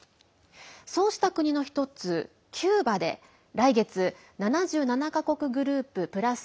そうした国の一つ、キューバで来月７７か国グループプラス